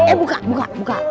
eh buka buka buka